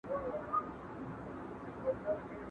¬ د گور شپه نه پر کور کېږي.